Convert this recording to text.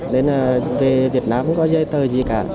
nên là về việt nam không có giấy tờ gì cả